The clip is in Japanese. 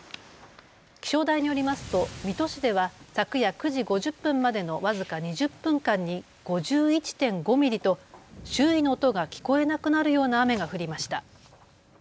気象台によりますと水戸市では昨夜９時５０分までの僅か２０分間に５１．５ミリと周囲の音が聞こえなくなるような雨が降りました。